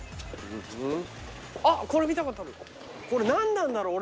これ何なんだろう。